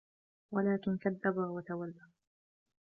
ولكن كذب وتولى